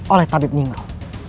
oleh tabib ningro